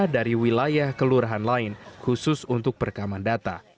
dari wilayah kelurahan lain khusus untuk perekaman data